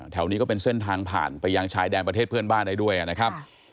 แถวนี้ก็เป็นเส้นทางผ่านไปยังชายแดนประเทศเพื่อนบ้านได้ด้วยนะครับ